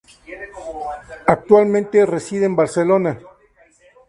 Actualmente, reside en Barcelona.